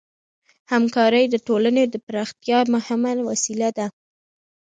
همکاري د ټولنې د پراختیا مهمه وسیله ده.